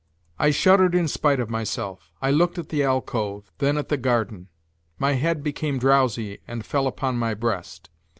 I shuddered in spite of myself; I looked at the alcove, then at the garden; my head became drowsy and fell on my breast.